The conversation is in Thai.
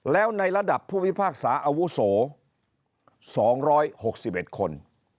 แล้วในระดับผู้พิพากษาอาวุโส๒๖๑คน